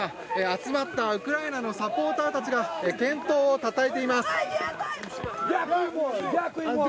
集まったウクライナのサポーターたちが健闘をたたえています。